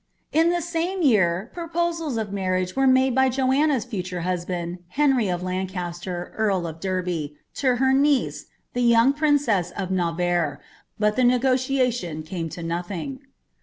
* In the name year proposals of marriage were made by Joanna's (utun husband, Henry of Lancaster, earl of Derby, to her uie^re, the yonof princess of Navarre, but the n^oliation came to nothing.